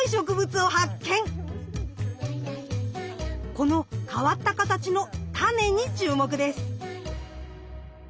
この変わった形のタネに注目です。